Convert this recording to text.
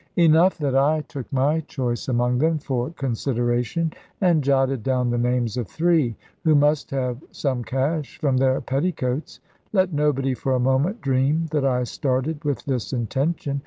Enough that I took my choice among them, for consideration; and jotted down the names of three, who must have some cash from their petticoats. Let nobody for a moment dream that I started with this intention.